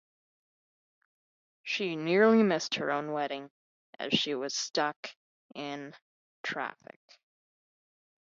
She nearly missed her own wedding, as she was stuck in traffic.